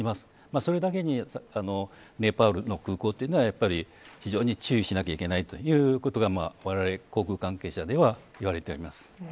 それだけにネパールの空港というのは非常に注意しないといけないということがわれわれ航空関係者では言われております。